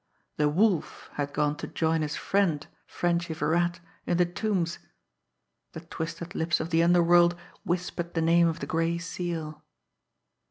The Wolf had gone to join his friend Frenchy Virat in the Tombs! The twisted lips of the underworld whispered the name of the Gray Seal!